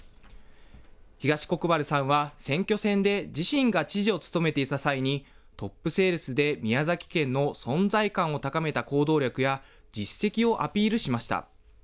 東国原さんは、選挙戦で自身が知事を務めていた際にトップセールスで宮崎県の存在感を高めた行動力や、実績をアピールしました。